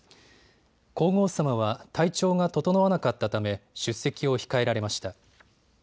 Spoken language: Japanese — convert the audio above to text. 皇后さまは体調が整わなかったため、出席を控えられました。